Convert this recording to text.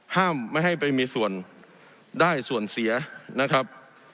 ห้ามไม่ให้ไปมีส่วนได้ส่วนเสียนะครับ